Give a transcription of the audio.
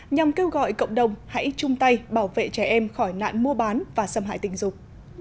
nhằm kêu gọi cộng đồng hãy chung tay bảo vệ trẻ em khỏi nạn mua bán và xâm hại tình dục